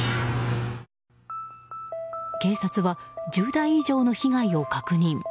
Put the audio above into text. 警察は１０台以上の被害を確認。